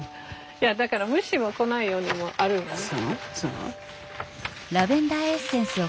いやだから虫を来ないようにもあるよね。